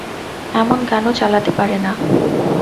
এমন গান ও চালাতে পারে না।